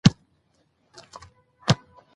نجونو او هلکانو د نوي حکومت له راتگ سره سم